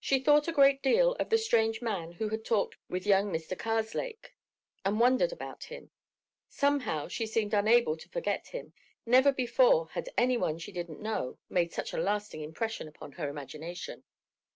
She thought a great deal of the strange man who had talked with young Mr. Karslake, and wondered about him. Somehow she seemed unable to forget him; never before had any one she didn't know made such a lasting impression upon her imagination.